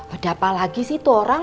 ada apa lagi sih itu orang